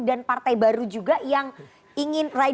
dan partai baru juga yang memperjuangkan undang undang kontroversial itu